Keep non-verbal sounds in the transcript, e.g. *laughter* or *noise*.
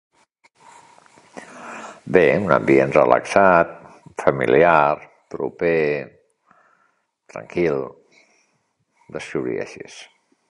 Bé, un ambient relaxat, familiar, proper, tranquil, *unintelligible*